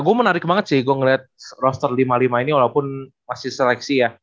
gue menarik banget sih gue ngeliat roster lima puluh lima ini walaupun masih seleksi ya